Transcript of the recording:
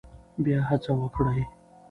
بیا هڅه وکړئ.